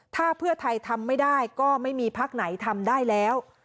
ถ้าเพื่อไทยทำไม่ได้ก็ไม่มีพักไหนทำได้แล้ว